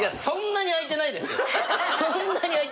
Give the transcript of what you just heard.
そんなにあいてないから。